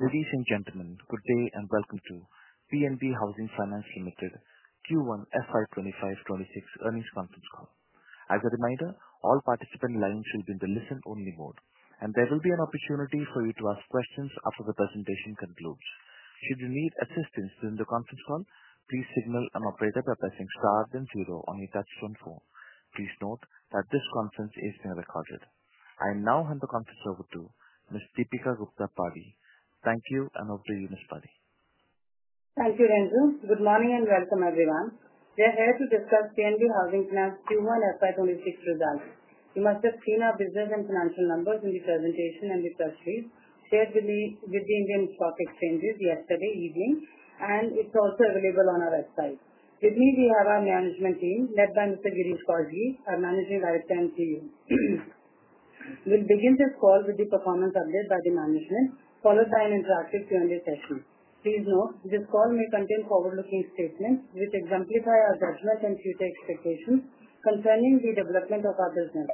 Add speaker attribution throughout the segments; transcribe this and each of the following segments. Speaker 1: Ladies and gentlemen, good day, and welcome to P and B Housing Finance Limited Q1 FY twenty five twenty six Earnings Conference Call. As a reminder, all participant lines will be in the listen only mode, and there will be an opportunity for you to ask questions after the presentation concludes. Should you need assistance during the conference call, please signal an operator by pressing then 0 on your touch tone phone. Please note that this conference is being recorded. I now hand the conference over to Ms. Deepika Gupta Padi. Thank you and over to you Ms. Padi.
Speaker 2: Thank you, Renzo. Good morning, and welcome, everyone. We are here to discuss T and D Housing Finance q one FY twenty six results. You must have seen our business and financial numbers in the presentation and the press release shared with the with the Indian stock exchanges yesterday evening, and it's also available on our website. With me, we have our management team led by Mr. Girish Korgi, our management liaison team. We'll begin this call with the performance update by the management followed by an interactive Q and A session. Please note, this call may contain forward looking statements, which exemplify our judgment and future expectations concerning the development of our business.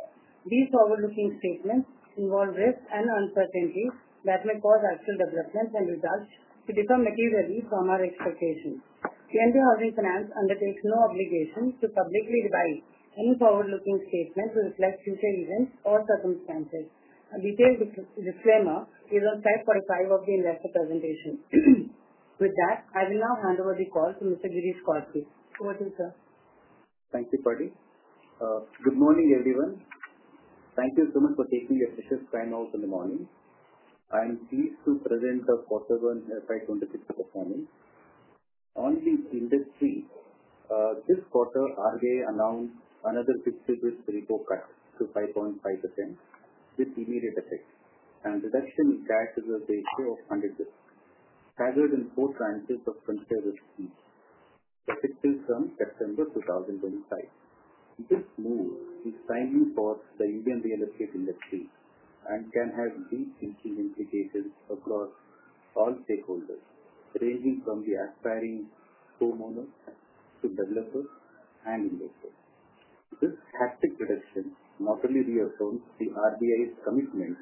Speaker 2: These forward looking statements involve risks and uncertainties that may cause actual developments and results to differ materially from our expectations. K and J Housing Finance undertakes no obligation to publicly revise any forward looking statements to reflect future events or circumstances. A detailed disclaimer is on slide 45 of the investor presentation. With that, I will now hand over the call to Mr. Girish Karski. Over to you, sir.
Speaker 3: Thank you, Padi. Good morning, everyone. Thank you so much for taking your precious time out in the morning. I'm pleased to present the quarter one FY 'twenty six performance. On the industry, this quarter, RGA announced another 50 bps repo cut to 5.5% with immediate effect and reduction in cash to the ratio of 100 bps, gathered in four tranches of subsidiaries, effective from September 2025. This move is timely for the Indian real estate industry and can have deep thinking implications across all stakeholders ranging from the aspiring homeowner to developer and investor. This haptic reduction not only reaffirms the RBI's commitment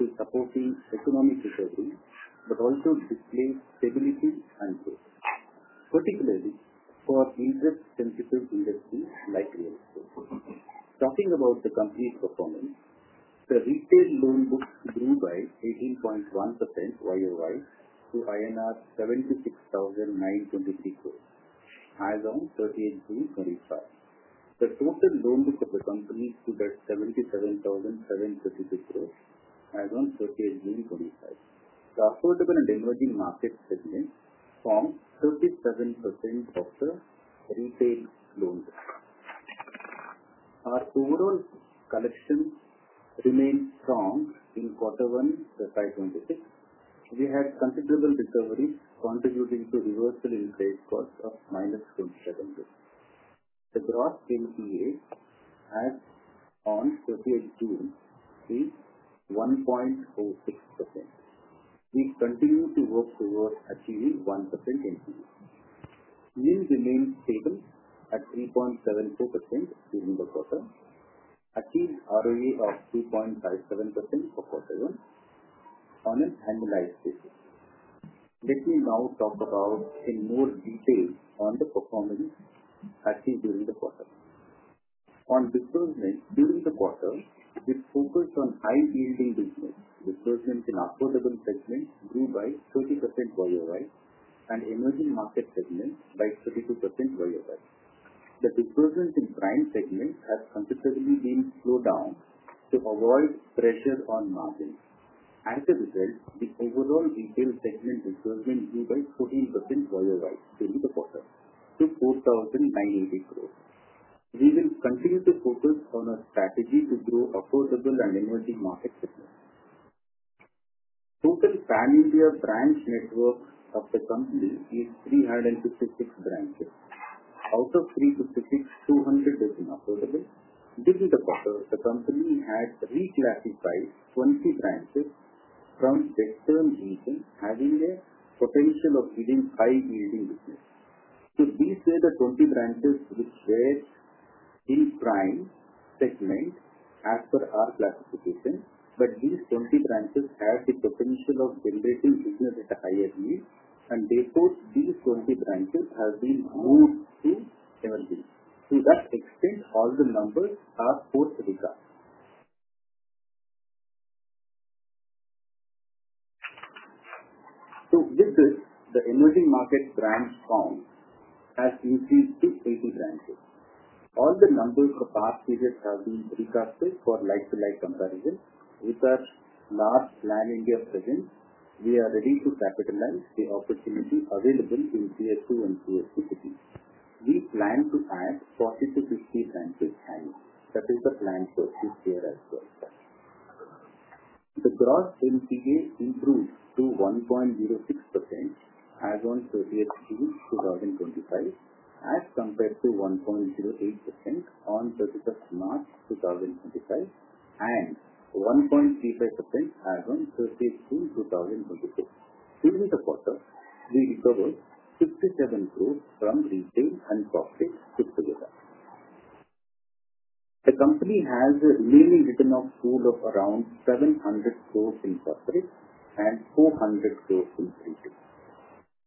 Speaker 3: to supporting economic recovery, but also displaying stability and growth, particularly for interest sensitive industries like real estate. Talking about the company's performance, the retail loan book grew by 18.1% Y o Y to INR 76,923 crores as of thirty eight June twenty five. The total loan book of the company stood at 77,736 crores as of thirty eight June twenty five. The affordable and emerging market segment formed 37% of the retail loans. Our overall collections remained strong in quarter one FY 'twenty six. We had considerable recovery contributing to reversal in trade cost of minus RUB 27,000,000. The gross NPA at on thirtieth June reached 1.46%. We continue to work towards achieving 1% NPV. Yield remained stable at 3.74% during the quarter, achieved ROA of 2.57% for quarter one on an annualized basis. Let me now talk about in more detail on the performance achieved during the quarter. On disbursement, during the quarter, we focused on high yielding business. Disbursements in affordable segment grew by 30% Y o Y and emerging market segment by 32% Y o Y. Disbursements in prime segment has considerably been slowed down to avoid pressure on margins. As a result, the overall Retail segment improvement grew by 14% year over year during the quarter to 4,980 crores. We will continue to focus on our strategy to grow affordable and emerging market business. Total Pan India branch network of the Company is three fifty six branches. Out of three fifty six, 200 is unaffordable. This is the quarter, the company had reclassified 20 branches from sectoral regions having a potential of within five yielding business. So these were the 20 branches which were in prime segment as per our classification, but these 20 branches have the potential of generating business at a higher need, and therefore, these 20 branches have been moved to 11. To that extent, all the numbers are post recast. So this is the emerging market branch count has increased to 80 branches. All the numbers for past periods have been requested for like to like comparison. With such large Land India presence, we are ready to capitalize the opportunity available in Tier two and Tier two cities. We plan to add 40 to 50 countries, that is the plan for this year as well. The gross NPA improved to 1.06% as on thirtieth June twenty twenty five as compared to 1.08% on thirtieth March twenty twenty five and one point three five percent as on thirtieth June twenty twenty six. During the quarter, we recovered 57 crores from Retail and Costing together. The company has a mainly written off food of around 700 crores in corporate and 400 crores in retail.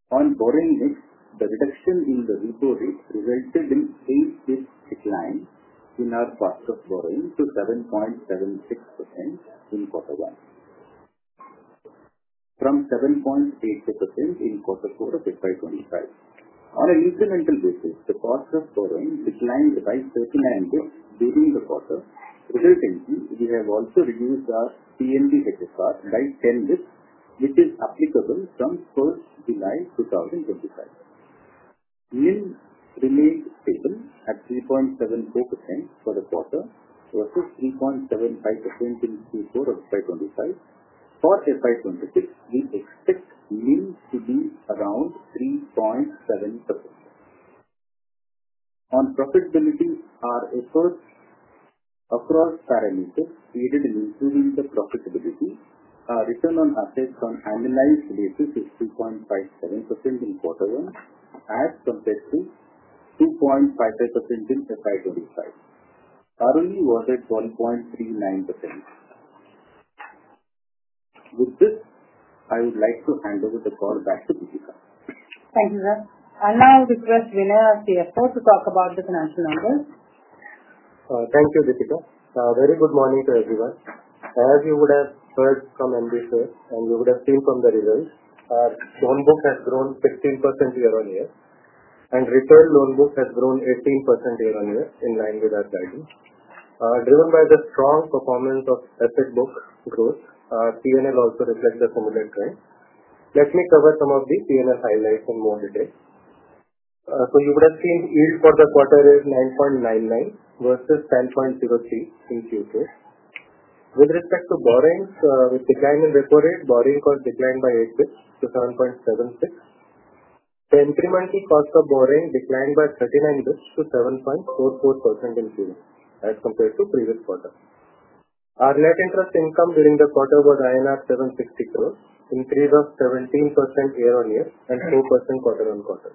Speaker 3: On borrowing mix, the reduction in the repo rate resulted in eight bps decline in our cost of borrowing to 7.76% in quarter one from 7.8% in quarter four of FY 'twenty five. On an incremental basis, the cost of borrowing declined by 39 bps during the quarter. Resultantly, we have also reduced our P and D credit card by 10 bps, which is applicable from first July twenty twenty five. Mins remained stable at 3.74% for the quarter versus 3.75% in Q4 of FY 'twenty five. For FY 'twenty six, we expect NIM to be around 3.7%. On profitability, our efforts across parameters created in improving the profitability. Our return on assets on an annualized basis is 2.57% in quarter one as compared to 2.55% in FY 'twenty five. ROE was at 1.39%. With this, I would like to hand over the call back to Deepika.
Speaker 2: Thank you, sir. I'll now request Vinay, our CFO, to talk about the financial numbers.
Speaker 4: Thank you, Deepika. Very good morning to everyone. As you would have heard from MVPs and you would have seen from the results, our loan book has grown 15% year on year and deferred loan book has grown 18% year on year, in line with our guidance, Driven by the strong performance of asset book growth, P and L also reflects the similar trend. Let me cover some of the P and L highlights in more detail. So you would have seen yield for the quarter is 9.99 versus 10.03 in Q2. With respect to borrowings, with decline in repo rate, borrowing cost declined by eight bps to 7.76. The incremental cost of borrowing declined by 39 bps to 7.44% in Q1 as compared to previous quarter. Our net interest income during the quarter was INR 60 crores, increase of 17% year on year and 2% quarter on quarter.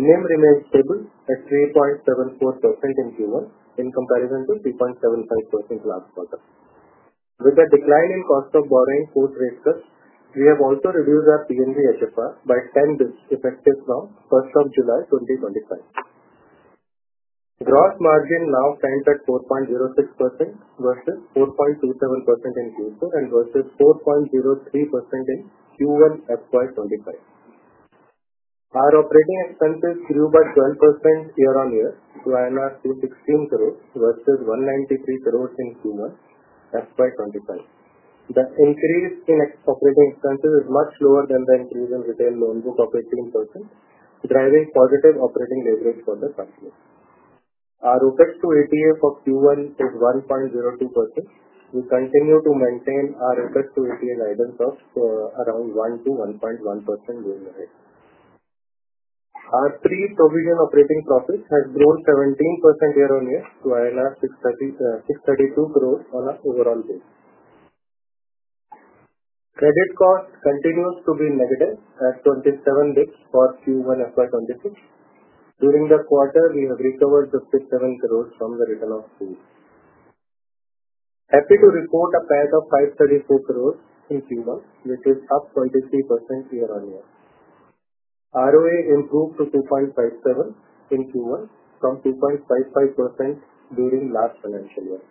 Speaker 4: NIM remained stable at 3.74% in Q1 in comparison to 3.75% last quarter. With the decline in cost of borrowing, food rate cuts, we have also reduced our P and V HFR by 10 bps effective from July 1. Gross margin now stands at 4.06% versus 4.27% in Q4 and versus 4.03% in Q1 FY 'twenty five. Our operating expenses grew by 12 year on year to INR $2.16 crores versus 193 crores in Q1 FY 'twenty five. The increase in operating expenses is much lower than the increase in retail loan book of 18%, driving positive operating leverage for the company. Our OpEx to ATA for Q1 is 1.02%. We continue to maintain our interest to ATA guidance of around 1% to 1.1% during the year. Our pre provision operating profit has grown 17% year on year to INR $6.32 crores on an overall basis. Credit cost continues to be negative at 27 bps for Q1 FY 'twenty two. During the quarter, we have recovered INR $6.77 crores from the return of two. Happy to report a PAT of INR $5.34 crores in Q1, which is up 23 year on year. ROA improved to 2.57% in Q1 from 2.55% during last financial year.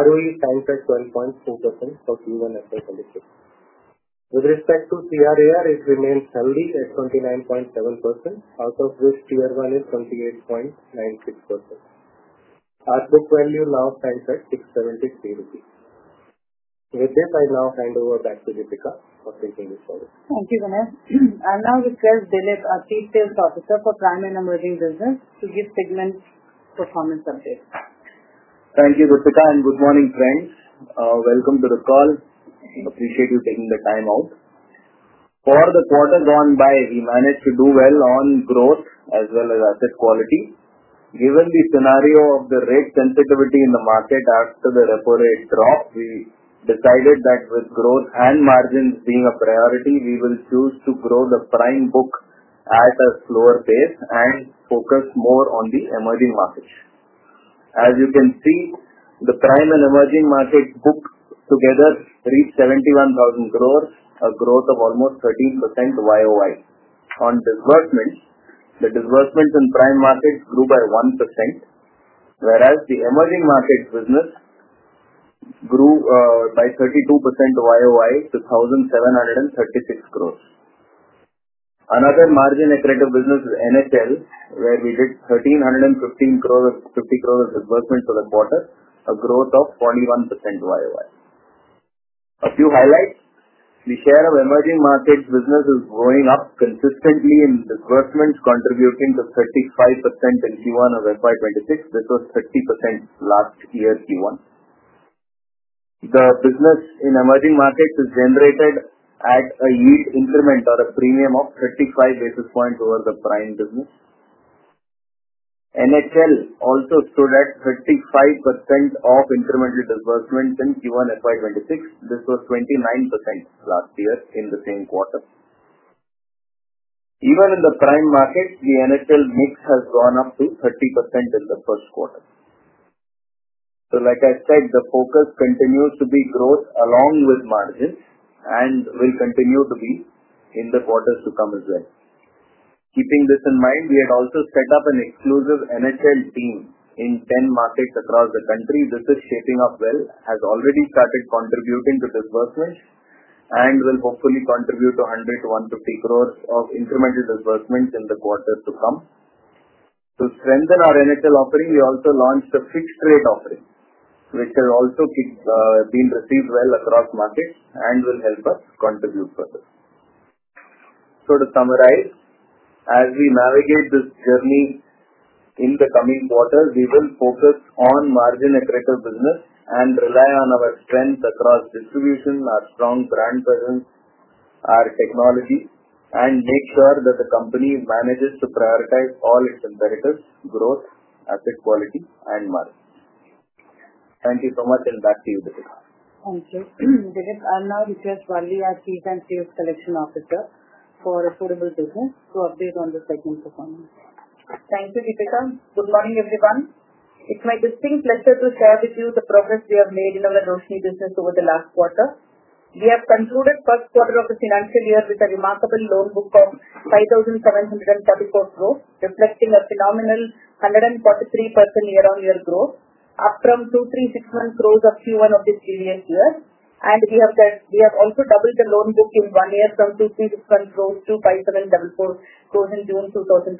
Speaker 4: ROE stands at 12.4% for Q1 FY 'twenty six. With respect to CRAR, it remains healthy at 29.7%, out of which Tier one is 28.96%. Our book value now stands at $6.73. With this, I now hand over back to Deepika for taking this forward.
Speaker 2: Thank you, Vinesh. I'm now with Prajas Dilip, our Chief Sales Officer for Primary Emerging Business to give segment performance update.
Speaker 5: Thank you, Gupta, and good morning, friends. Welcome to the call. Appreciate you taking the time out. For the quarter gone by, we managed to do well on growth as well as asset quality. Given the scenario of the rate sensitivity in the market after the repo rate drop, we decided that with growth and margins being a priority, we will choose to grow the prime book at a slower pace and focus more on the emerging markets. As you can see, the prime and emerging market book together reached 71,000 crores, a growth of almost 13% Y o Y. On disbursements, the disbursements in prime market grew by 1%, whereas the emerging market business grew by 32% Y o Y to 2,736 crores. Another margin accretive business is NSL, where we did INR $13.15 crores 50 crores of disbursement for the quarter, a growth of 41% Y o Y. A few highlights. The share of emerging markets business is growing up consistently in disbursements contributing to 35% in Q1 of FY 'twenty six. This was 30 last year Q1. The business in Emerging markets is generated at a yield increment or a premium of 35 basis points over the prime business. NHL also stood at 35% of incremental disbursements in Q1 FY 'twenty six. This was 29% last year in the same quarter. Even in the prime market, the NHL mix has gone up to 30% in the first quarter. So like I said, the focus continues to be growth along with margins and will continue to be in the quarters to come as well. Keeping this in mind, we had also set up an exclusive NHL team in 10 markets across the country. This is shaping up well, has already started contributing to disbursement and will hopefully contribute 100 crores to 150 crores of incremental disbursement in the quarter to come. To strengthen our NHL offering, we also launched a fixed rate offering, which has also been received well across markets and will help us contribute further. So to summarize, as we navigate this journey in the coming quarters, we will focus on margin accretive business and rely on our strength across distribution, our strong brand presence, our technology, and make sure that the company manages to prioritize all its imperatives, growth, asset quality and margin. Thank you so much and back to you, Deepika.
Speaker 1: Thank you. Deepika, I'll now request Varley as Chief and Chief Collection Officer for a suitable business to update on the segment performance.
Speaker 6: Thank you, Deepika. Good morning, everyone. It's my distinct pleasure to share with you the progress we have made in our Adhoefni business over the last quarter. We have concluded first quarter of the financial year with a remarkable loan book of 5,734 crores, reflecting a phenomenal 143% year on year growth, up from 2,003 and 61 crores of Q1 of this previous year. And we have also doubled the loan book in one year from 2,361 crores to 5,744 crores in June 2025.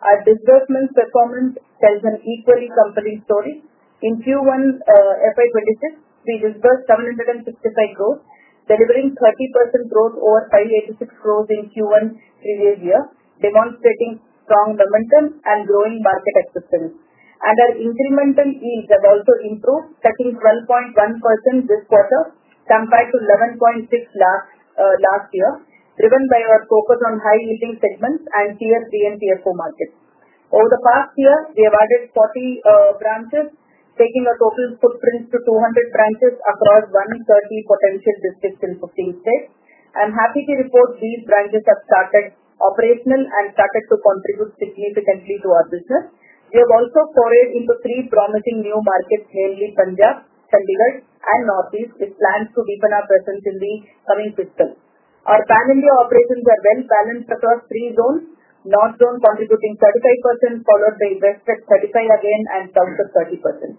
Speaker 6: Our disbursement performance tells an equally company story. In Q1 FY 'twenty six, we disbursed INR $7.65 crores, delivering 30% growth over INR $5.86 crores in Q1 previous year, demonstrating strong momentum and growing market acceptance. And our incremental yield has also improved, I think 12.1% this quarter compared to 11.6% last year, driven by our focus on high leasing segments and TSB and TSB markets. Over the past year, we have added 40 branches, taking our total footprint to 200 branches across 130 potential districts in 15 states. I'm happy to report these branches have started operational and started to contribute significantly to our business. We have also forayed into three promising new markets, mainly Punjab, Chandelar and Northeast with plans to deepen our presence in the coming system. Our Pan India operations are well balanced across three zones, North Zone contributing 35% followed by invested 35% again and some of 30%.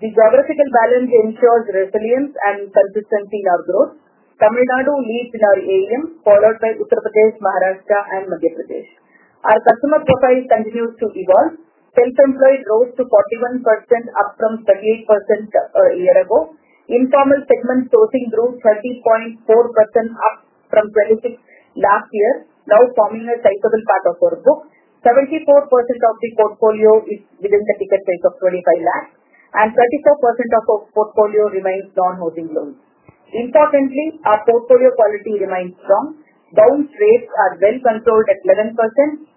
Speaker 6: The geographical balance ensures resilience and consistency in our growth. Kamil Nadu leads in our AEM followed by Uttar Pradesh, Maharashtra and Madhya Pradesh. Our customer profile continues to evolve. Sales employed rose to 41%, up from 38% a year ago. Informal segment sourcing grew 30.4%, up from 26% last year, now forming a sizable part of our book. 74% of the portfolio is within the ticket price of 25 lakhs and 34% of our portfolio remains non housing loans. Importantly, our portfolio quality remains strong. Bounds rates are well controlled at 11%.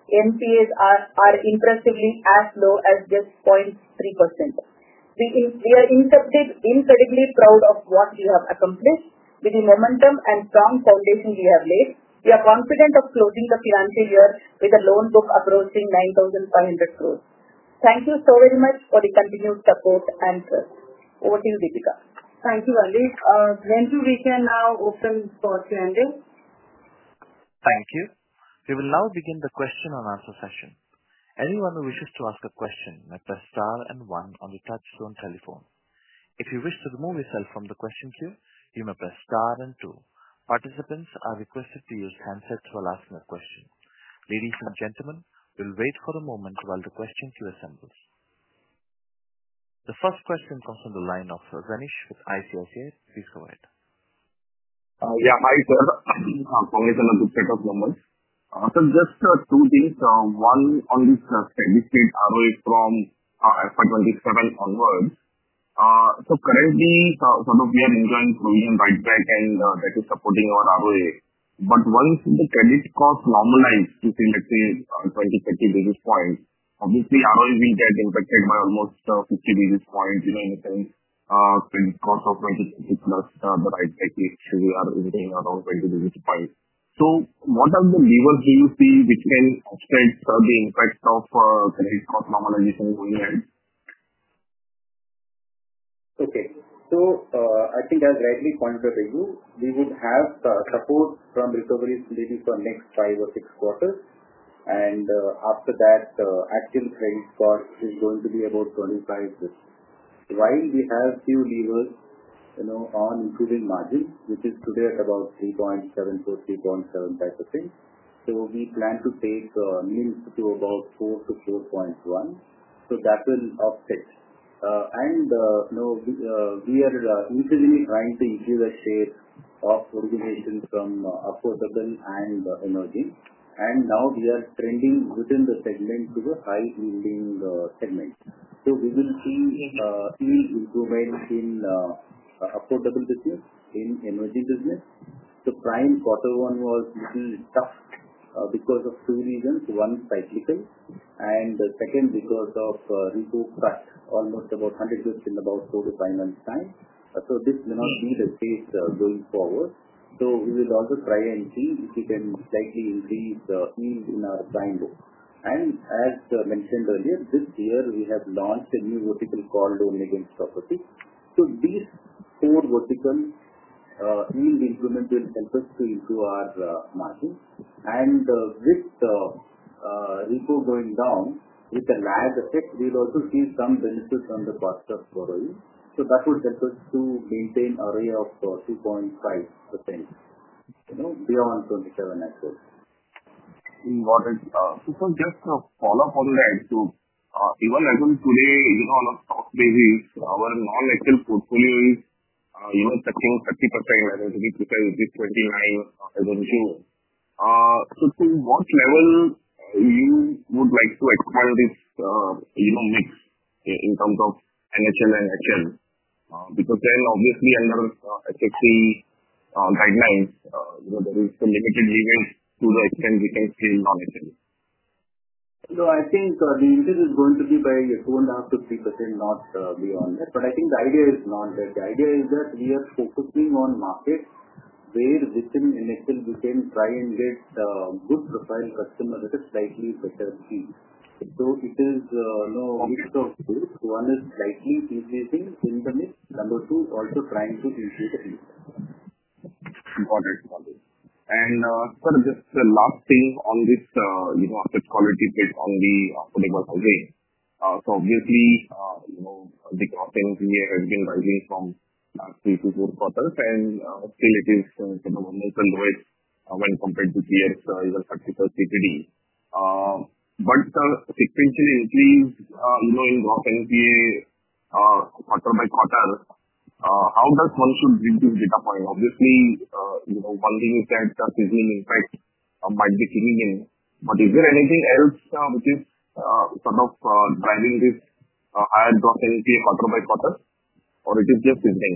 Speaker 6: NPAs are impressively as low as just 0.3%. We are incredibly proud of what we have accomplished with the momentum and strong foundation we have laid. We are confident of closing the financial year with a loan book approaching 9,500 crores. Thank you so very much for the continued support and sir. Over to you, Deepika.
Speaker 2: Thank you, Ali. We can now open for Q and A.
Speaker 1: Thank you. We will now begin the question and answer session. Anyone who wishes to ask a question may press star and one on the touch tone telephone. If you wish to remove yourself from the question queue, you may press and two. Participants are requested to use handsets while asking a question. Ladies and gentlemen, we'll wait for the moment while the question queue assembles. The first question comes from the line of Ramesh with ICICI. Please go ahead.
Speaker 7: Yeah. Hi, sir. I'm calling a good set of numbers. Sir, just two things. One, on this credit state ROE from f one twenty seven onwards. So currently, some of we are enjoying through you right back end that is supporting our ROE. But once the credit cost normalize to see, let's say, twenty, thirty basis points, obviously, ROE will get impacted by almost 50 basis points, you know, anything. And cost of 26 plus, but I think we should be out of 20 basis points. So what are the levers do you see which can offset the impact of credit cost normalization going ahead?
Speaker 3: Okay. So I think as rightly pointed to you, we would have support from recovery facility for next five or six quarters. And after that, active credit cost is going to be about 25 crores rupees. While we have few levers on improving margins, which is today at about 3.7% to 3.7% type of thing. So we plan to take NIM to about 4% to 4.1%. So that will offset. And we are easily trying to increase the share of origination from affordable and emerging. And now we are trending within the segment to the high yielding segment. So we will see improvement in affordable business in energy business. The prime quarter one was little tough because of two reasons, one cyclical and the second because of repo cut almost about 100 bps in about four to five months' time. So this may not be the case going forward. So we will also try and see if we can slightly increase the ease in our time loop. And as mentioned earlier, this year, we have launched a new vertical called own against property. So these four vertical need implemented efforts to improve our margins. And with repo going down, with the lag effect, we'll also see some benefits on the cost of borrowing. So that would help us to maintain our area of 2.5%, you know, beyond 27 actually.
Speaker 7: Got it. So sir, just a follow-up on that too. Even as in today, you know, on a stock basis, our non actual portfolio is, you know, 1330%, I don't think it's 29. So to what level you would like to expand this, you know, mix in terms of NHL and HL. Because then, obviously, under SEC guidelines, you know, there is some limited even to the extent we can scale on it. No.
Speaker 3: I think the increase is going to be by two and a half to 3%, not beyond that. But I think the idea is not that. The idea is that we are focusing on market where this is an initial we can try and get good profile customer that is slightly better fee. So it is, you mix of two. One is likely increasing in the mix. Number two is also trying to increase the fee.
Speaker 7: Got it. Got it. Sir, just the last thing on this, you know, asset quality based on the. So, obviously, you know, the cost in here has been rising from last three to four quarters, and still it is, you know, when compared to here, you know, thirty first 50. But sequentially, know, the quarter by quarter, how does one should reduce data point? Obviously, you know, one thing is that the seasonal impact Might be kicking in. But is there anything else which is sort of driving this higher drop in quarter by quarter, or it is just the thing?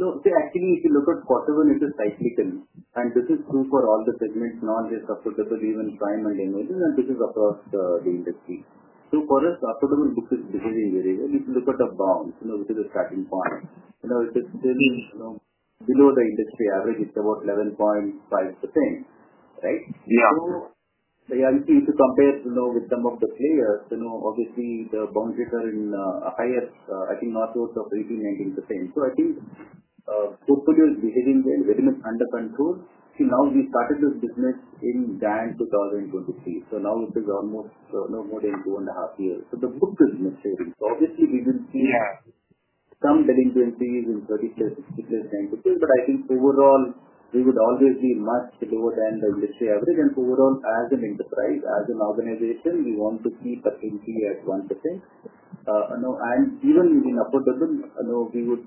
Speaker 3: No. See, actually, if you look at quarter one, it's cyclical, and this is true for all the segments, not just a particular reason, time and energy, and this is across the the industry. So for us, after the book is. If you look at the bonds, you know, which is a starting point. You know, it's just really, you know, below the industry average, it's about 11.5%. Right?
Speaker 7: Yeah.
Speaker 3: So the I think if you compare, you know, with some of the players, you know, obviously, the boundaries are in a highest, I think, not close to 19%. So I think portfolio is behaving there, getting us under control. See, now we started this business in that 02/2023. So now it is almost no more than two and a half years. So the book business savings, obviously, we will see some delinquency even 30 plus 60 plus 92, but I think overall, we would always be much lower than the industry average and overall as an enterprise, as an organization, we want to keep the entry at 1%. No. And even in a quarter, I know we would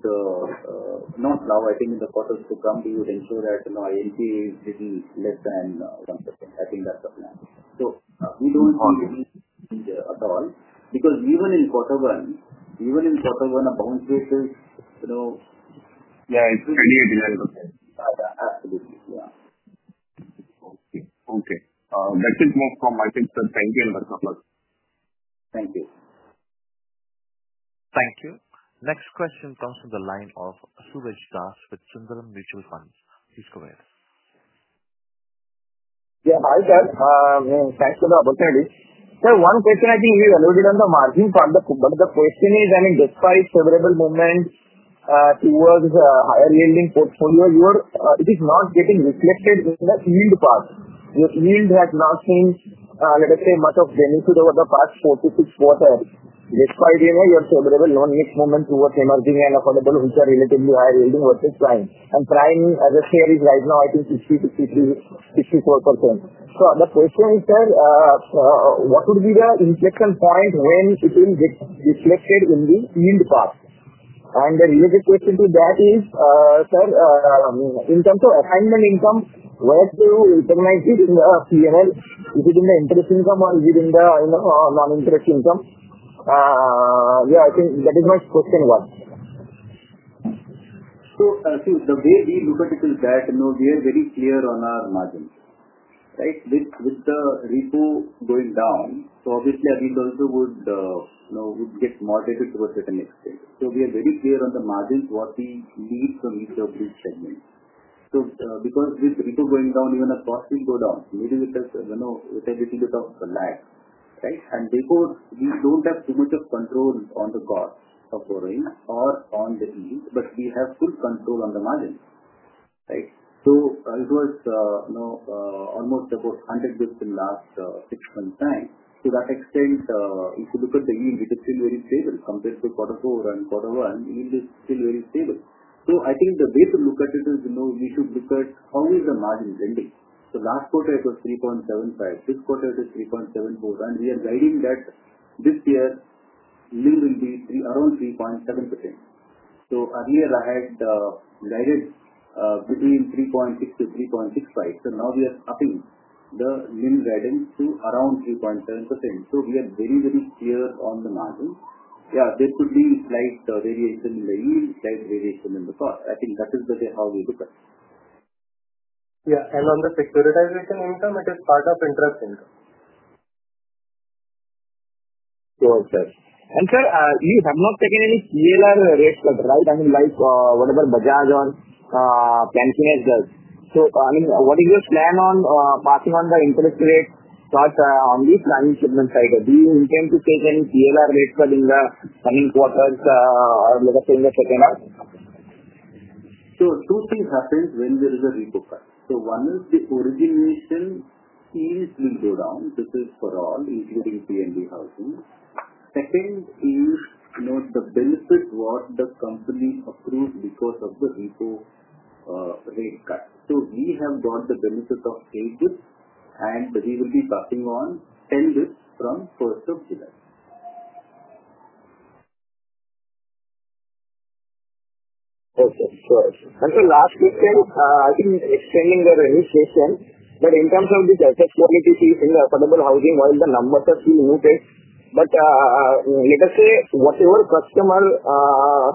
Speaker 3: not now, I think, in the quarters to come, we would ensure that, you know, I'll be getting less than 1%. I think that's the plan. So we don't want to be at all because even in quarter one even in quarter one, a bond basis, you know Yeah.
Speaker 7: It's 28. Okay.
Speaker 3: Absolutely. Yeah.
Speaker 7: Okay. Okay. That is more from my concern. Thank you.
Speaker 3: Thank you.
Speaker 1: Thank you. Next question comes from the line of with Sundaram Mutual Funds. Please go ahead.
Speaker 8: Yeah. Hi, sir. Thanks for the opportunity. Sir, one question I think you alluded on the margin part of but the question is, I mean, despite favorable movement towards the higher yielding portfolio, you're it is not getting reflected in that yield part. Your yield has not changed, let us say, of revenue to the other parts four to six quarter. Despite, you know, your favorable loan mix moment towards emerging and affordable, which are relatively high yielding versus prime. And prime, as I said, is right now, I think, 60 to 64%. So the question is, sir, what would be the inflection point when it will get reflected in the in the past? And the related question to that is, sir, in terms of assignment income, where to in the p is it in the interest income or is it in the non interest income? Yes, I think that is my question one.
Speaker 3: So the way we look at it is that, we are very clear on our margins, right? With the repo going down, so obviously, repo also would get moderated to a certain extent. So we are very clear on the margins, what we need from each of these segments. So because this is going down even as cost will go down, maybe it is a, you it's little bit of a lag, right? And therefore, we don't have too much of control on the cost of borrowing or on the deal, but we have good control on the margin, right? So it was almost about 100 bps in last six months' time. To that extent, if you look at the yield, it is still very stable compared to quarter four and quarter one, yield is still very stable. So I think the way to look at it is we should look at how is the margin lending. So last quarter it was 3.75%, this quarter it is 3.74% and we are guiding that this year NIM will be around 3.7%. So earlier I had guided between 3.6% to 3.65%. So now we are cutting the NIM guidance to around 3.7%. So we are very, very clear on the margin. Yeah. There could be slight variation in the yield, slight variation in the cost. I think that is the way how we look at it. Yeah. And on the securitization income, it is part of interest income.
Speaker 8: Okay. And sir, you have not taken any TLR rates, right? I mean, like, whatever the charge on. I mean, what is your plan on passing on the interest rate, but on the planning shipment side, do you intend to take any TLR rates within the So two things happen when there is a repo fund.
Speaker 3: So one is the origination fees will go down, this is for all, including P and D housing. Second is the benefit was the company approved because of the repo rate cut. So we have got the benefit of Aclip, and we will be passing on 10 bps from July 1.
Speaker 8: Okay. So and the last question, I think it's sending the registration, but in terms of the the affordable housing, while the numbers are still muted. But let us say, whatever customer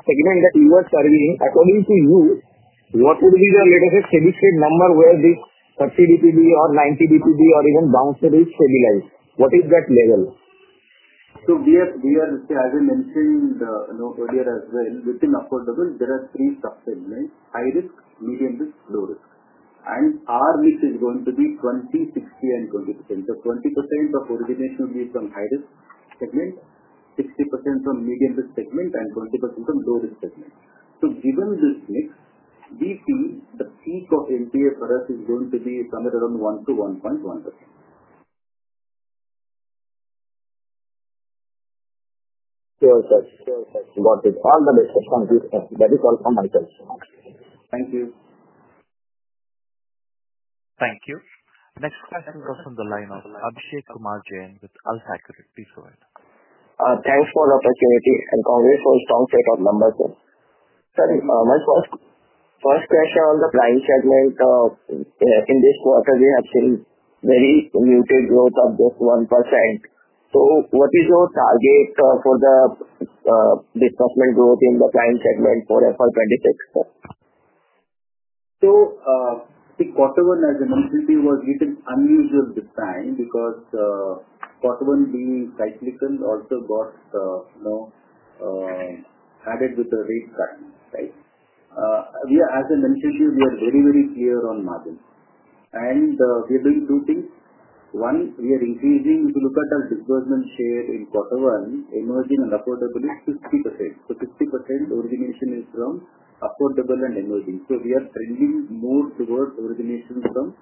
Speaker 8: segment that you are serving, according to you, what would be the latest specific number where this 30 bpb or 90 bpb or even downstudy stabilized? What is that level?
Speaker 3: So we are as mentioned earlier as well, within affordable, there are three sub segments, high risk, medium risk, low risk. And our risk is going to be 20%, 6020%. So 20% of origination will be from high risk segment, 60% from medium risk segment and 20% from low risk segment. So given this mix, we see the peak of NPS for us is going to be somewhere around one percent to one point one percent.
Speaker 1: Thank you. Next question comes from the line of Abhishek Kumar jain with Alhakarik. Please go ahead.
Speaker 9: Thanks for the opportunity and congrats for a strong set of numbers. Sir, my first first question on the client segment. In this quarter, we have seen very muted growth of just 1%. So what is your target for the development growth in the client segment for FY 'twenty six?
Speaker 3: So the quarter one, as I mentioned, was little unusual this time because quarter one being cyclical also got added with the rate cut, right? We are as I mentioned, we are very, very clear on margins. And we are doing two things. One, we are increasing, if you look at our disbursement share in quarter one, emerging and affordable is 50%. So 50% origination is from affordable and emerging. So we are trending more towards origination from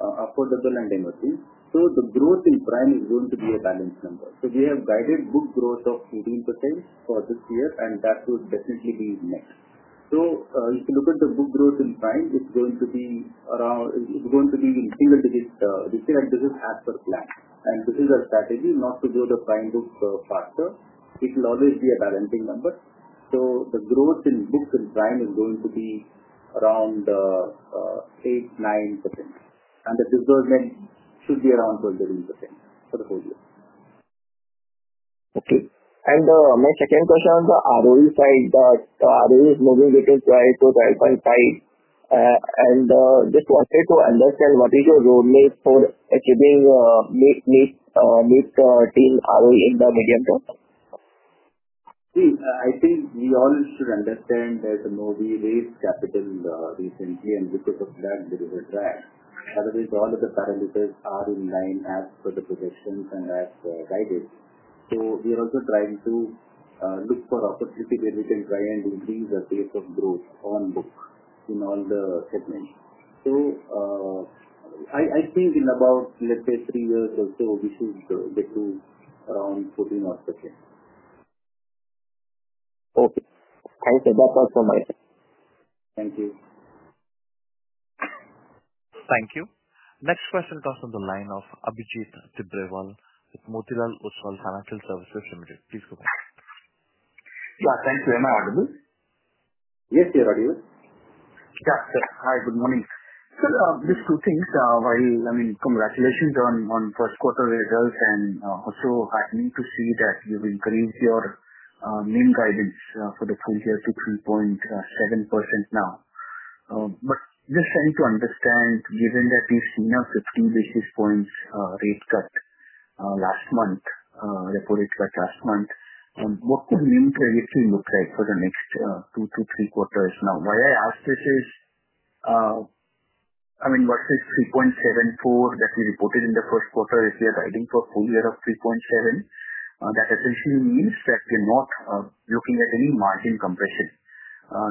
Speaker 3: affordable and emerging. So the growth in prime is going to be a balanced number. So we have guided book growth of 18% for this year and that would definitely be net. So if you look at the book growth in prime, it's going to be around it's going to be in single digit retail business as per plan. And this is our strategy not to grow the prime book faster. It will always be a balancing number. So the growth in book and prime is going to be around 8%, 9%. And the disbursement should be around 12%, 13% for the full year.
Speaker 9: Okay. And my second question on the ROE side, is moving between five to 5.5 And just wanted to understand what
Speaker 3: is your role made for achieving teen ROE in the medium term? See, I think we all should understand that the MOVI raised capital recently and because of that, there is a drag. Otherwise, all of the parameters are in line as per the projections and as guided. So we are also trying to look for opportunity where we can try and increase the pace of growth on book in all the segments. So I I think in about, let's say, three years or so, we should get to around 14 or 15.
Speaker 9: Okay. I said that's all from my
Speaker 3: Thank you.
Speaker 1: Thank you. Next question comes from the line of with Financial Services Limited. Please go ahead.
Speaker 10: Yeah, thank you. Am I audible? Yes, sir. Are you? Yeah sir, hi, good morning. Sir, just two things, while I mean, congratulations on on first quarter results and also happening to see that you've increased your main guidance for the full year to 3.7% now. But just trying to understand, given that you've seen a 15 basis points rate cut last month, reported cut last month, And what could mean credit to look like for the next two to three quarters now? Why I ask this is I mean, what is 3.74 that we reported in the first quarter if we are guiding for full year of 3.7? That essentially means that we're not looking at any margin compression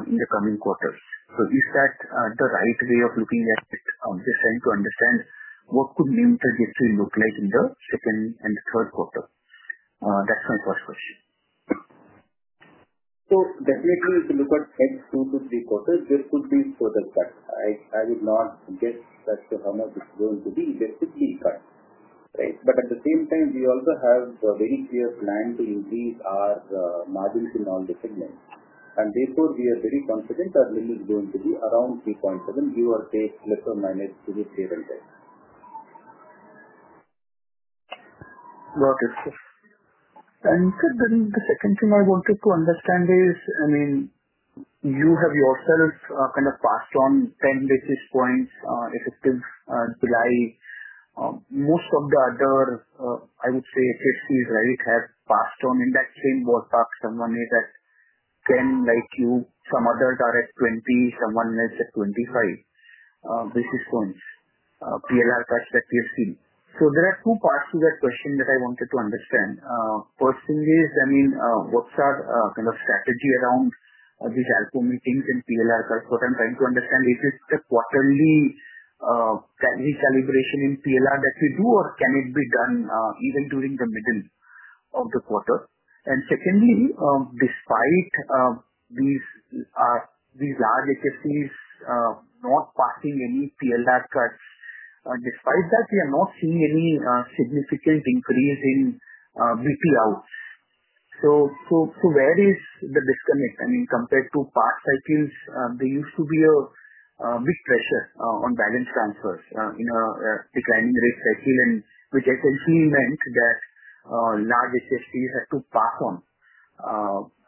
Speaker 10: in the coming quarters. So is that the right way of looking at it? I'm just trying to understand what could mean trajectory look like in the second and third quarter. That's my first question.
Speaker 3: So definitely, if you look at next two to three quarters, this could be further cut. I I would not get that how much it's going to be, that's the fee cut. Right? But at the same time, we also have a very clear plan to increase our margins in all the segments. And therefore, we are very confident that lean is going to be around 3.7, give or take, let or manage to this table there.
Speaker 10: Got it, sir. And sir, then the second thing I wanted to understand is, I mean, you have yourself kind of passed on 10 basis points effective July. Most of the other, I would say, it is fees, right, have passed on in that same board tax, some money that can, like, you, some other direct 20, someone less at 25 basis points, PLR tax that we have seen. So there are two parts to that question that I wanted to understand. First thing is, I mean, what's our kind of strategy around these meetings and PLR? That's what I'm trying to understand. Is it the quarterly calibration in PLR that we do or can it be done even during the middle of the quarter? And secondly, despite these these large excesses not passing any PLR cuts, Despite that, we are not seeing any significant increase in VP out. So so so where is the disconnect? I mean, to past cycles, there used to be a big pressure on balance transfers, you know, declining rate cycle and which essentially meant that large SSDs had to pass on.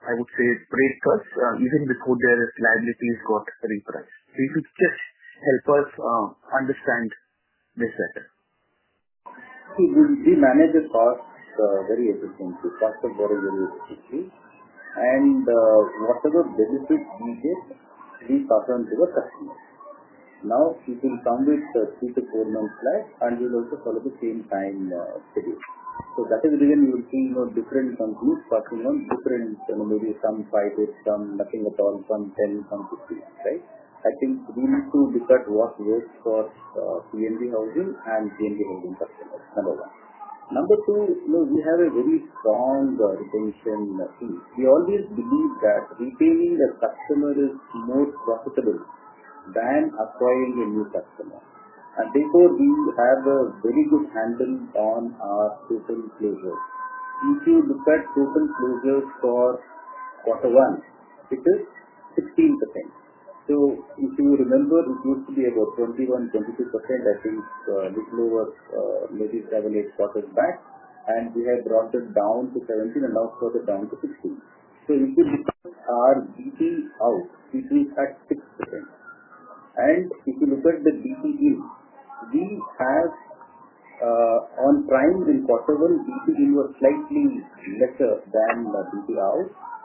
Speaker 10: I would say, it's pretty close even before their liabilities got repriced. So you could just help us understand this better.
Speaker 3: We we we manage the cost very efficiently. We fast the borrower will quickly. And whatever benefits we get, we pass on to the customer. Now you can come with three to four months life and you'll also follow the same time schedule. So that is the reason you will see no difference on group, you know different, you know, some five days, some nothing at all, some ten, some fifteen, right? I think we need to decide what works for P and D housing and P and D housing customers, number one. Number two, we have a very strong retention team. We always believe that retaining the customer is most profitable than acquiring a new customer. And therefore, we have a very good handle on our total closure. If you look at total closure for quarter one, it is 16%. So if you remember, it used to be about 21%, 22%, I think, this lower maybe seven, eight quarters back, and we had brought it down to 17% and now further down to 16%. So if you look at DTE out, DTE is at 6%. Quarter.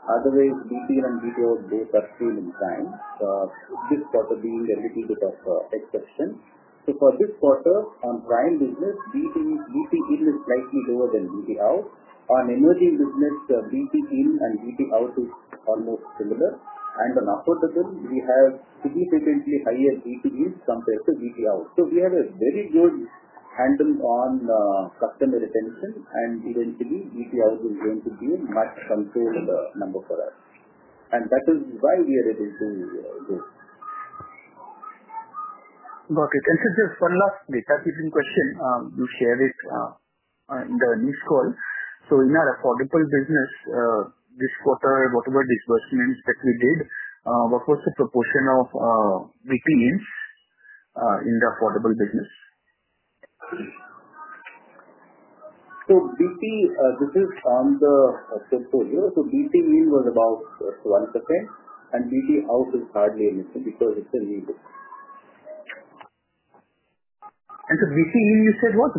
Speaker 3: And we a this quarter being a very little bit of exception. Quarter. So for this quarter, on prime business, BP in is slightly lower than BP out. On emerging business, BP in and BP out is almost similar. And on aperture, we have significantly higher B2B compared to B2B. So we have a very good handle on customer retention. And eventually, B2B is going to be a much stronger number for us. And that is why we are reducing this.
Speaker 10: Got it. And so just one last data keeping question, you shared it in the earnings call. So in our affordable business, this quarter, whatever disbursements that we did, what was the proportion of BT in in the affordable business?
Speaker 3: So BT, this is on So b p was about one percent, and b p out is hardly anything because it's a.
Speaker 10: And so b p in, you said, was 1%?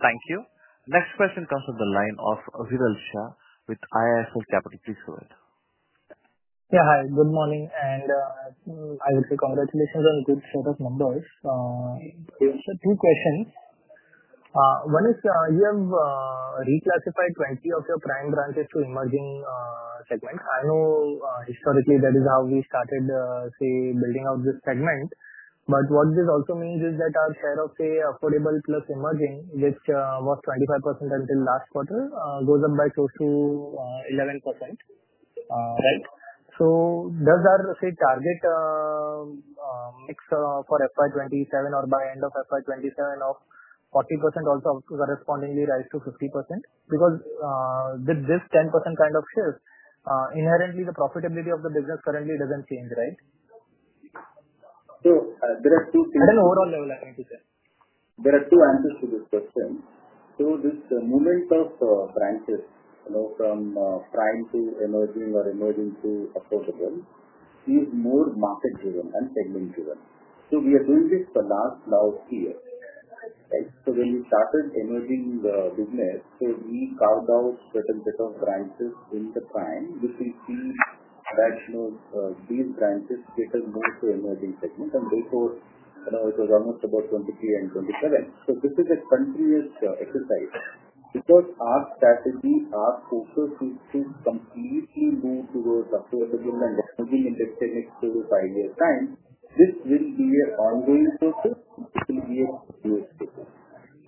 Speaker 1: Thank you. Next question comes from the line of with IIM Kozhikode. Please go ahead.
Speaker 11: Yeah. Hi. Good morning, and I would say congratulations on a good set of numbers. So two questions. One is you have reclassified 20 of your prime branches to emerging segments. I know, historically, that is how we started, say, building out this segment. But what this also means is that our share of, say, affordable plus emerging, which was 25% until last quarter, goes up by close to 11%. Right? So does that, say, target mix for FY twenty seven or by end of FY twenty seven of 40% also correspondingly rise to 50%? Because this this 10% kind of shift, inherently, the profitability of the business currently doesn't change. Right? So there are two things At an overall level, can't be said.
Speaker 3: There are two answers to this question. So this moment of branches, you know, from trying to emerging or emerging to affordable is more market driven and segment driven. So we are doing this for last year, right? So when we started emerging the business, so we carved out certain bit of branches in the prime, which will be rational, these branches, which has moved to emerging segment. And therefore, it was almost about 2327. So this is a continuous exercise because our strategy, our focus is to completely move towards up to a level and definitely in the next two to five years' time. This will be an ongoing process. It will be a.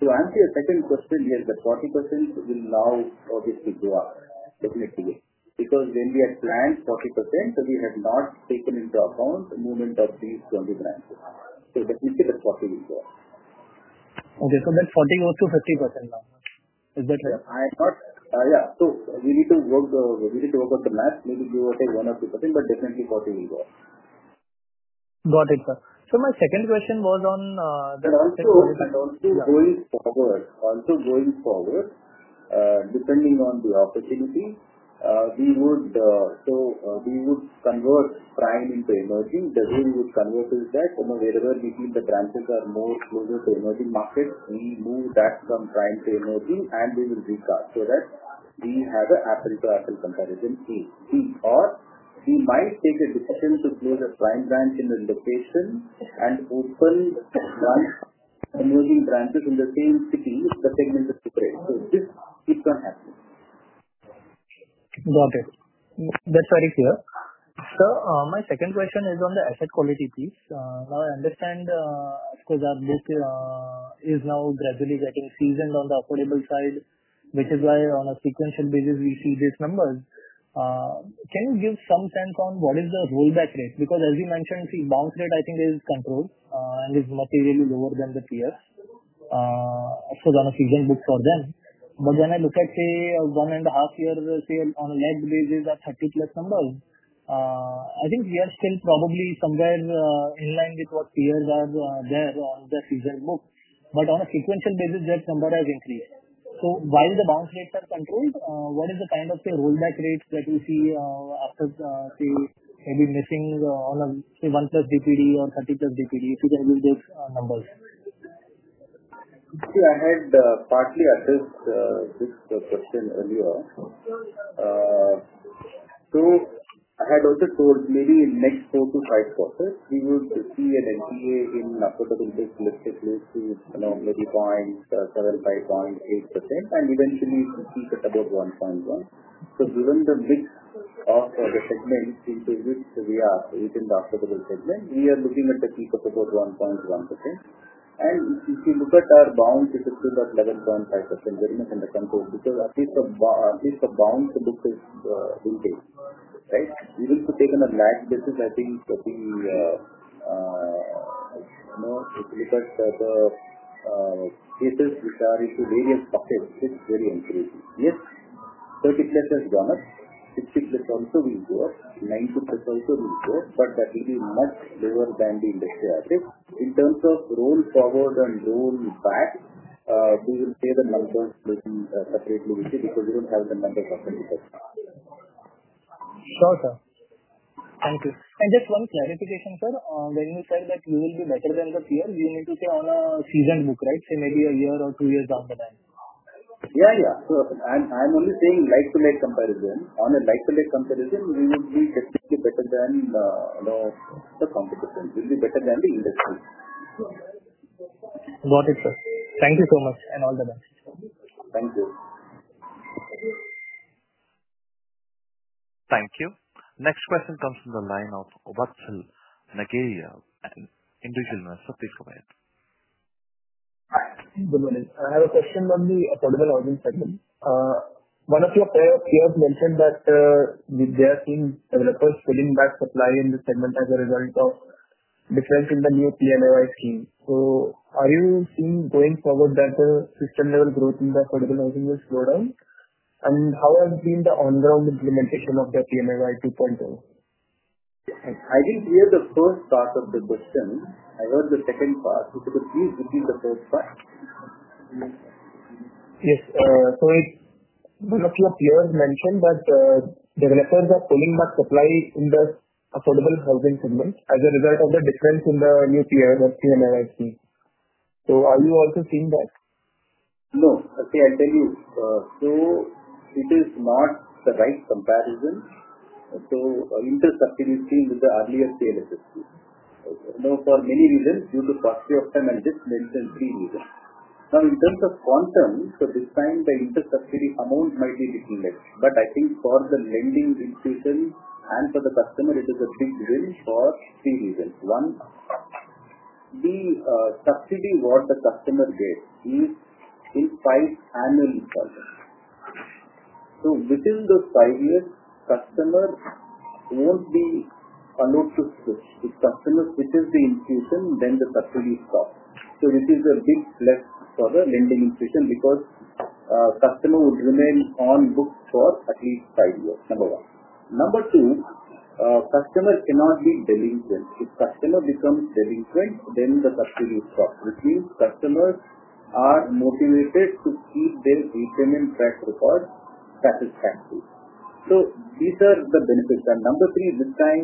Speaker 3: So answer your second question here, the 40% will now obviously go up definitely. Because when we had planned 40%, we have not taken into account the movement of the 20 branches. So that we get a profit in there.
Speaker 11: Okay. So that's 40 goes to 50% now. Is that right?
Speaker 3: I thought yeah. So we need to work the we need to work on the math. Maybe we will take one or 2%, but definitely 40 will go.
Speaker 11: Got it, sir. So my second question was on the second question. Going forward also going forward, depending on the opportunity, we would so we would convert prime into emerging.
Speaker 3: The way we would convert is that from wherever we think the branches are more closer to emerging market, we move that from prime to emerging and we will be charged so that we have a asset to asset comparison. We might take a decision to close a prime branch in the location and open branch and moving branches in the same city, the segment is different. So this is not happening.
Speaker 11: Got it. That's very clear. Sir, my second question is on the asset quality piece. Now I understand because our business is now gradually getting seasoned on the affordable side, which is why on a sequential basis, we see these numbers. Can you give some sense on what is the rollback rate? Because as you mentioned, see, bounce rate, I think, is controlled and is materially lower than the peers. So then if you can book for them. But then I look at, say, one and a half year, let's say, on a net basis of 30 plus number, I think we are still probably somewhere in line with what peers are there on the seasonal book. But on a sequential basis, that number has increased. So while the bounce rates are controlled, what is the kind of, say, rollback rates that we see after the any missing on a, say, one plus DPD or 30 plus DPD, if you can use those numbers?
Speaker 3: See, I had partly addressed this question earlier. So I had also told maybe next four to five quarters, we would see an NPA in affordability, let's say, close to, know, maybe point 75.8% and eventually, we could it above 1.1. So given the mix of the segment, we are within the profitable segment, we are looking at the peak of about 1.1%. And if you look at our balance, it is still at 11.5% very much in the control because at least the balance the book is Sure, sir.
Speaker 11: Thank you. And just one clarification, sir. When you said that you will be better than the peer, you need to stay on a seasoned book. Right? Say, maybe a year or two years after that.
Speaker 3: Yeah. Yeah. So I'm I'm only saying like to make comparison. On a like to like comparison, we would be better than, you know, the competition. We'll be better than the industry.
Speaker 11: Got it, sir. Thank you so much, and all the best.
Speaker 3: Thank you.
Speaker 1: Thank you. Next question comes from the line of Induginal sir. Please go ahead.
Speaker 12: Hi. Good morning. I have a question on the affordable housing segment. One of your prior peers mentioned that the their team developers filling back supply in the segment as a result of difference in the new PMI scheme. So are you seeing going forward that the system level growth in the affordable housing will slow down? And how has been the on ground implementation of the PMI y two point o?
Speaker 3: I didn't hear the first part of the question. I heard the second part. So could you please repeat the first part?
Speaker 12: Yes. So one of your peers mentioned that the developers are pulling back supply in the affordable housing segment as a result of the difference in the new peers of. So are you also seeing that?
Speaker 3: No. See, I tell you. So it is not the right comparison. So our interest activity is the earliest. Now for many reasons, due to costly of time, I just mentioned three reasons. Now in terms of quantum, so this time the interest subsidy amount might be little less. But I think for the lending institution and for the customer, it is a big win for three reasons. One, the subsidy what the customer did is in five annual installments. So within those five years, customer won't be allowed to switch. The customer switches the infusion, then the subsidy stops. So this is a big flex for the lending infusion because customer would remain on book for at least five years, number one. Number two, customer cannot be delinquent. If customer becomes delinquent, then the subsidy stops, which means customers are motivated to keep their prepayment track record satisfactory. So these are the benefits. And number three, this time,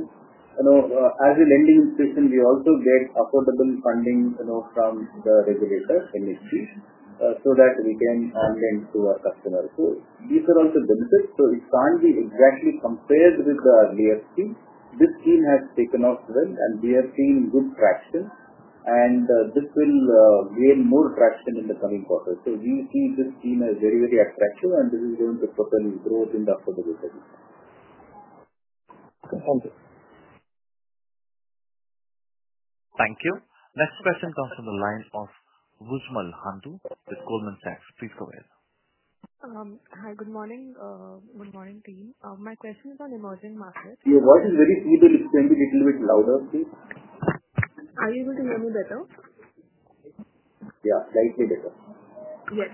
Speaker 3: as a lending institution, we also get affordable funding from the regulators industry so that we can lend to our customers. These are also benefits. So it can't be exactly compared with the last team. This team has taken off well and we are seeing good traction and this will gain more traction in the coming quarters. So we see this team as very, very attractive and this is going to propel growth in the profitability.
Speaker 12: Okay. Thank you.
Speaker 1: Thank you. Next question comes from the line of Gujmal Handu with Goldman Sachs. Please go ahead.
Speaker 13: Hi. Good morning. Good morning, team. My question is on emerging markets.
Speaker 3: Your voice is very easy. Can explain a little bit louder, please?
Speaker 13: Are you able to hear me better? Yeah. Slightly better. Yes.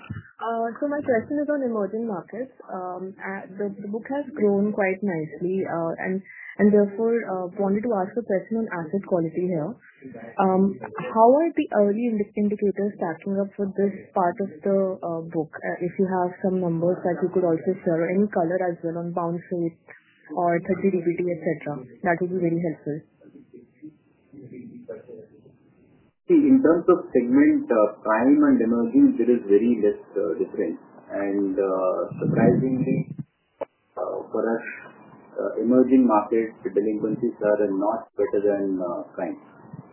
Speaker 13: So, my question is on emerging markets. The book has grown quite nicely and and therefore, wanted to ask a question on asset quality here. How are the early indicators stacking up for this part of the book? If you have some numbers that you could also share, any color as well on balance sheet or 30 d b t, etcetera. That would be very helpful.
Speaker 3: See, in terms of segment, time and energy, it is very less different. And surprisingly, for us, emerging market, the delinquencies are not better than prime.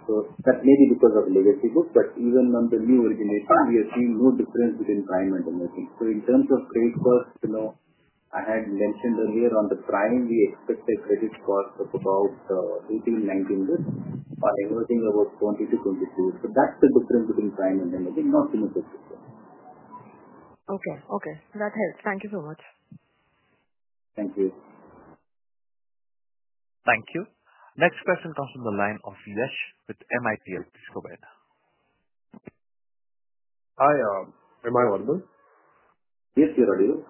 Speaker 3: So that may be because of legacy book, but even on the new origination, we have seen no difference between prime and So in terms of credit first, you know, I had mentioned earlier on the prime, we expect a credit cost of about $18.19, everything about 20 to 22. So that's the difference between prime and.
Speaker 13: Okay. Okay. That helps. Thank you so much.
Speaker 3: Thank you.
Speaker 1: Thank you. Next question comes from the line of with MIT. Please go ahead.
Speaker 12: Hi. Am I audible?
Speaker 3: Yes. You're audible.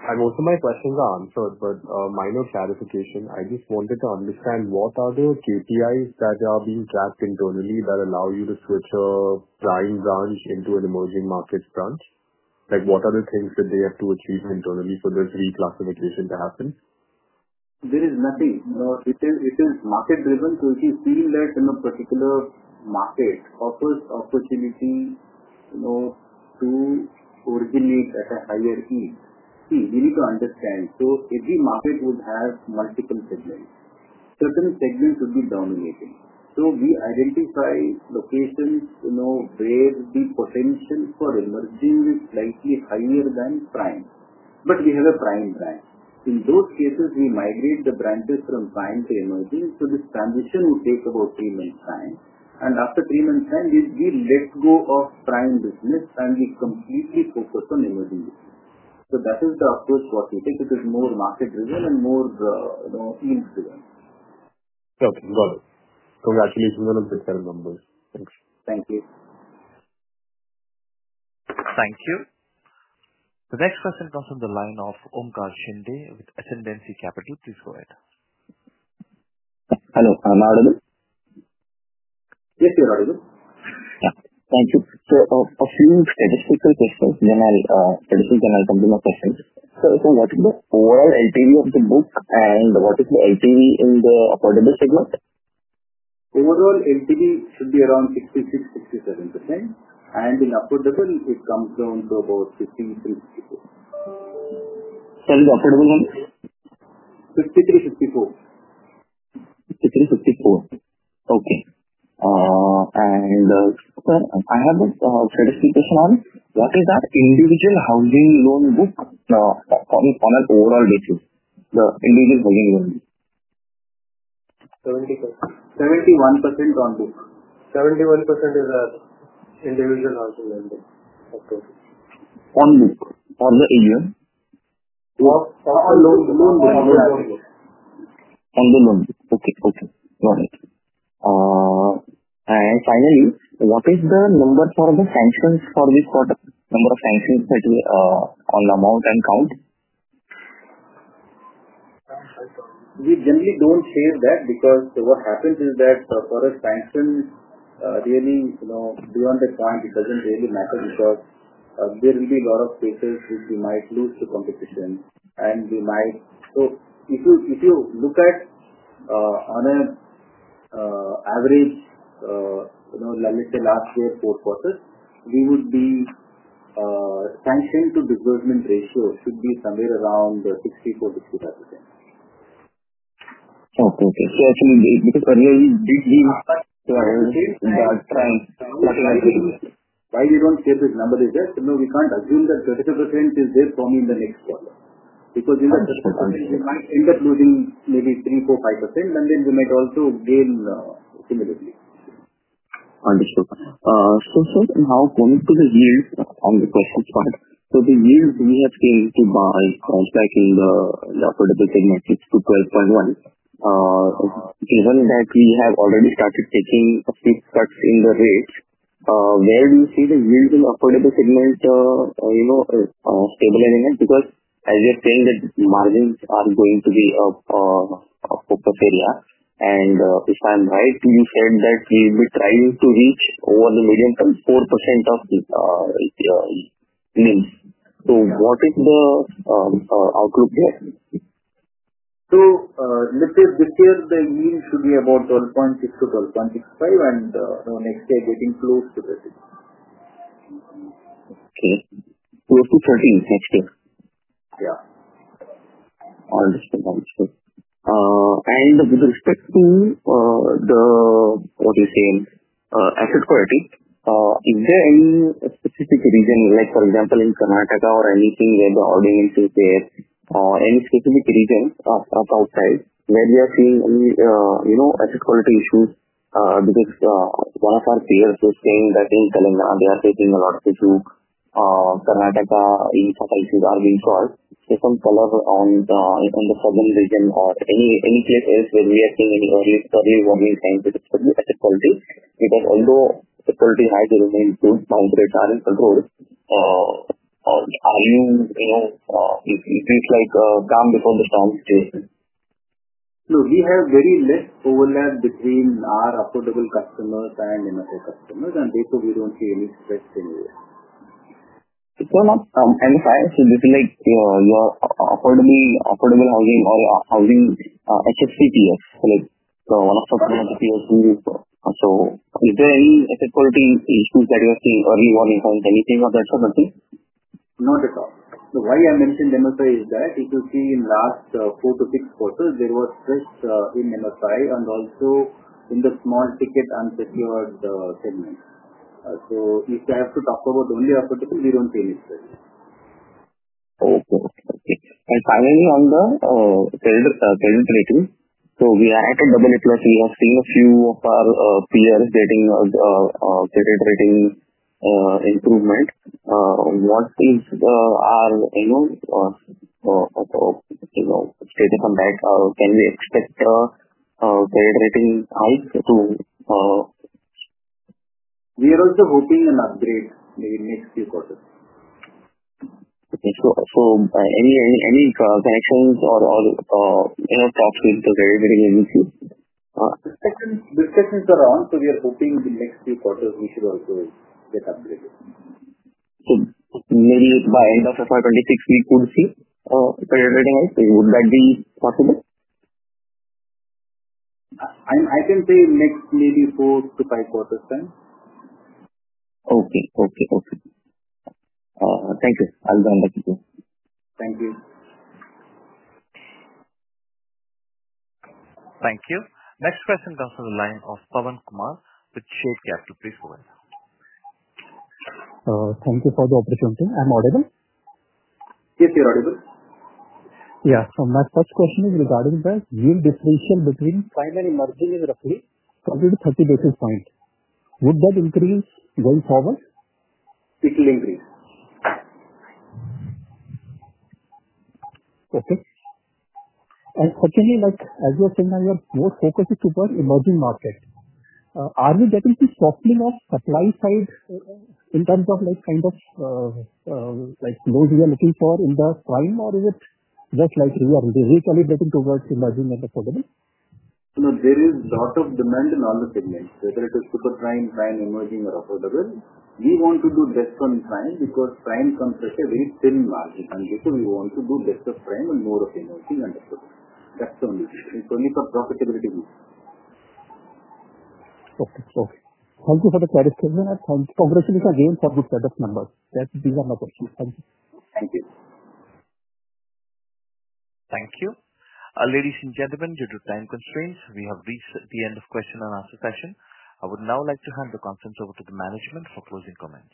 Speaker 12: And also my questions are answered, but minor clarification. I just wanted to understand what are the KPIs that are being tracked internally that allow you to switch a prime branch into an emerging market branch? Like, what are the things that they have to achieve internally for this reclassification to happen?
Speaker 3: There is nothing. You know, it is it is market driven. So if you feel that in a particular market offers opportunity, to originate at a higher fee, we need to understand. So if the market would have multiple segments, certain segments would be dominated. So we identify locations where the potential for emerging is slightly higher than prime. But we have a prime branch. In those cases, we migrate the branches from prime to emerging. So this transition will take about three months time. And after three months time, we we let go of prime business, and we completely focus on energy. So that is the approach what we think. It is more market driven and more, you know, Okay.
Speaker 12: Got it. Congratulations on the detailed numbers. Thanks.
Speaker 3: Thank you.
Speaker 1: Thank you. The next question comes from the line of Omkar Shinde with Ascendancy Capital. Please go ahead.
Speaker 12: Hello. Am I audible?
Speaker 3: Yes. You're audible.
Speaker 12: Yeah. Thank you. So a few statistical questions, then I'll and this is then I'll come to my questions. So so what is the overall LTV of the book, and what is the LTV in the affordable segment?
Speaker 3: Overall, LTV should be around 66, 67%. And in affordable, it comes down to about fifty three fifty four.
Speaker 12: Sorry. Affordable one?
Speaker 3: Fifty three fifty four.
Speaker 12: Fifty three fifty four. Okay. And, sir, I have a certification on what is that individual housing loan book?
Speaker 5: The on overall basis.
Speaker 12: Okay. Got it. And finally, what is the number for the sanctions for this quarter? Number of sanctions that we all amount and count?
Speaker 3: We generally don't change that because what happens is that for a sanction, really, you know, beyond the point, it doesn't really matter because there will be a lot of cases which we might lose the competition and we might so if you look at on an average, let's say, last year, four quarters, we would be sanction to disbursement ratio should be somewhere around 64 to 65%.
Speaker 12: Okay. Okay. So actually, because we are trying to.
Speaker 3: Why we don't get this number? Is that no. We can't assume that 30% is there for me in the next quarter. Because in that, we might end up losing maybe three, four, 5%, and then we might also gain similarly.
Speaker 12: Understood. So sir, and how going to the yield on the question part? So the yield we have been to buy, like in the affordable segment, it's to 12.1. Given that we have already started taking a few cuts in the rate, where do you see the yields in affordable segment, you know, stable and again? Because as you're saying that margins are going to be up up up area. And if I'm right, you said that we'll be trying to reach over the medium term 4% of the API means. So what is the outlook there?
Speaker 3: So let's say this year, the yield should be about 12.6 to 12.65, and next day, getting close to that.
Speaker 12: Okay. Close to 30 next year?
Speaker 3: Yeah.
Speaker 12: Understood. Understood. And with respect to the, what you say, asset quality, is there any specific reason, like, example, in Karnataka or anything where the audience is there or any specific reason of outside where we are seeing any, you know, asset quality issues because one of our peers is saying that they're telling that they are taking a lot to do. So some color on the on the Southern region or any any cases where we are seeing any early study or we're saying that it's for the asset quality because although the quality hydro is improved, downgrades are in control. Are you, you know, it it feels like calm before the storm.
Speaker 3: No. We have very less overlap between our affordable customers and, you know, the customers, and therefore, we don't see any stress anywhere.
Speaker 12: So not from any size, so this is, your your affordable affordable housing or your housing HFCPX, like, so one of the. Is there any asset quality issues that you are seeing early warning or anything of that sort of thing?
Speaker 3: Not at all. So why I mentioned them as I said, if you see in last four to six quarters, there were threats in MSI and also in the small ticket and secured segments. So if they have to talk about only after the, we don't pay any fees.
Speaker 12: Okay. Okay. And finally, on the sales sales rating, so we are at a double net loss. We are seeing a few of our peers getting credit rating improvement. What is the our annual or or or, you know, stated on that, can we expect the rate rating to
Speaker 3: We are also hoping an upgrade in next few quarters.
Speaker 12: Okay. So so any any any connections or or, you know, talks with the.
Speaker 3: The second the second is around, so we are hoping the next few quarters we should also get updated.
Speaker 12: So maybe by end of the '26, we could see. So would that be possible?
Speaker 3: I I can say next maybe four to five quarters then.
Speaker 12: Okay. Okay. Okay. Thank you. I'll turn the call.
Speaker 3: Thank you.
Speaker 1: Thank you. Next question comes from the line of Kumar with Shake Capital. Please go ahead.
Speaker 14: Thank you for the opportunity. Am I audible?
Speaker 3: Yes. You're audible.
Speaker 14: Yeah. So my first question is regarding the deal decision between primary margin in roughly 20 to 30 basis point. Would that increase going forward?
Speaker 3: It will increase.
Speaker 14: Okay. Certainly, like, as you're saying now, you're more focused towards emerging market. Are we getting to softening of supply side in terms of, like, kind of, like, those we are looking for in the prime, or is it just like we are we can be getting towards emerging at the.
Speaker 3: No. There is lot of demand in all the segments, whether it is super prime, prime, emerging, or affordable. We want to do best on prime because prime comes at a very thin margin, and therefore, we want to do best of prime and more of.
Speaker 14: Thank
Speaker 1: you. Ladies and gentlemen, due to time constraints, we have reached the end of question and answer session. I would now like to hand the conference over to the management for closing comments.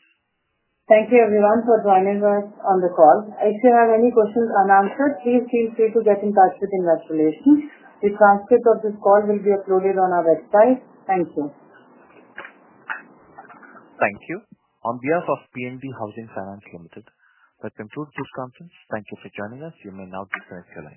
Speaker 2: Thank you, everyone, for joining us on the call. If you have any questions unanswered, please feel free to get in touch with Investor Relations. The transcript of this call will be uploaded on our website. Thank you.
Speaker 1: Thank you. On behalf of P and B Housing Finance Limited, that concludes this conference. Thank you for joining us. You may now disconnect your lines.